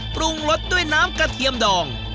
ปรุงรสด้วยน้ำกระเทียมดอง